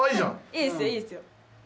いいですよいいですよ。